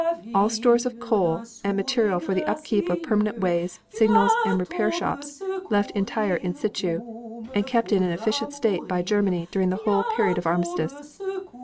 All stores of coal and material for the upkeep of permanent ways, signals and repair shops left entire in situ and kept in an efficient state by Germany during the whole period of armistice.